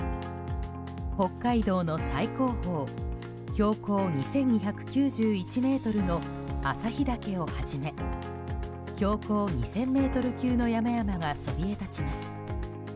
北海道の最高峰標高２２９１ｍの旭岳をはじめ標高２０００ｍ級の山々がそびえ立ちます。